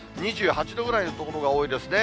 ２８度くらいの所が多いですね。